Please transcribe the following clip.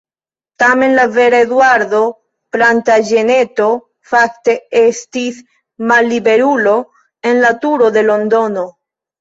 Tamen la vera Eduardo Plantaĝeneto fakte estis malliberulo en la Turo de Londono.